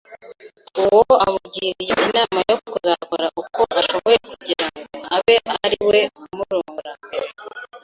Uwo amugiriye inama yo kuzakora uko ashooye kugira ngo abe ari we umurongora mbere